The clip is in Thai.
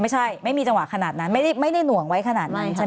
ไม่มีจังหวะขนาดนั้นไม่ได้หน่วงไว้ขนาดนั้นใช่ไหม